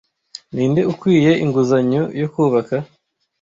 Ninde ukwiye inguzanyo yo kubaka